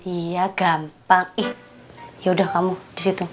iya gampang ih yaudah kamu disitu